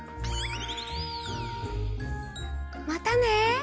またね。